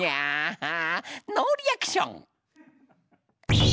ノーリアクション！